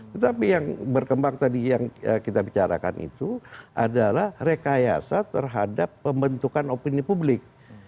tetapi yang berkembang tadi yang kita bicarakan itu adalah rekayasa terhadap pembentukan opini publik